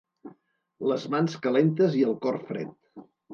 Les mans calentes i el cor fred.